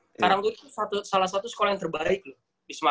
sekarang tuh itu salah satu sekolah yang terbaik loh di semarang